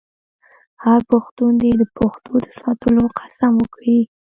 هر پښتون دې د پښتو د ساتلو قسم وکړي.